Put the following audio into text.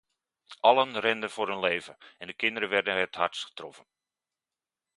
Allen renden voor hun leven, en de kinderen werden het hardst getroffen.